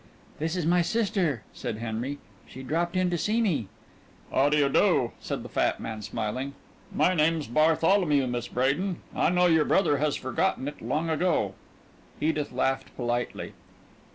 "This is my sister," said Henry. "She dropped in to see me." "How do you do?" said the fat man, smiling. "My name's Bartholomew, Miss Bradin. I know your brother has forgotten it long ago." Edith laughed politely.